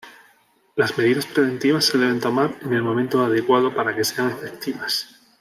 Las medidas preventivas se deben tomar en el momento adecuado para que sean efectivas.